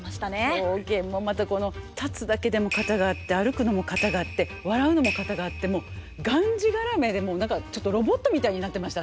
狂言もまたこの立つだけでも型があって歩くのも型があって笑うのも型があってもうがんじがらめで何かちょっとロボットみたいになってました